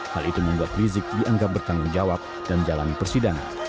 hal itu membuat rizik dianggap bertanggung jawab dan jalani persidangan